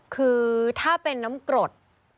คือถ้าเป็นน้ำกรด